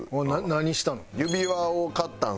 何したの？